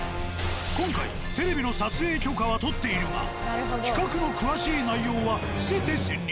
今回テレビの撮影許可は取っているが企画の詳しい内容は伏せて潜入。